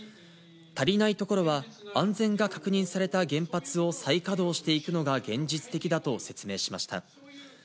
足りないところは安全が確認された原発を再稼働していくのが現実的だと説明しました。